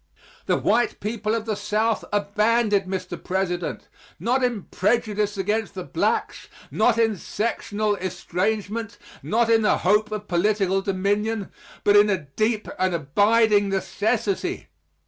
The white people of the South are banded, Mr. President, not in prejudice against the blacks not in sectional estrangement not in the hope of political dominion but in a deep and abiding necessity.